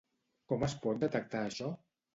Com es pot detectar això?